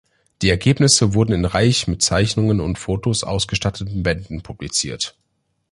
Die Ergebnisse wurden in reich mit Zeichnungen und Fotos ausgestatteten Bänden publiziert.